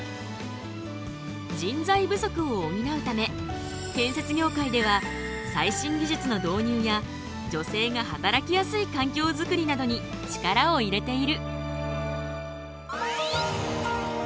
人材不足を補うため建設業界では最新技術の導入や女性が働きやすい環境づくりなどに力を入れている。